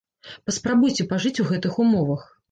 Паспрабуйце пажыць у гэтых умовах.